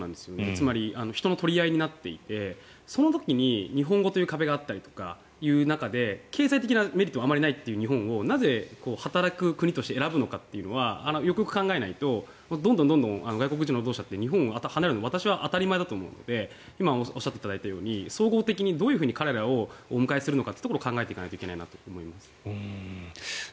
つまり、人の取り合いになっていてその時に日本語という壁があったりという中で経済的なメリットがあまりないという日本をなぜ働く国として選ぶのかというのはよくよく考えないとどんどん外国人労働者が日本を離れるのは私は当たり前だと思うので今、おっしゃったように総合的にどういうふうに彼らをお迎えするのかというところを考えていかないといけないと思います。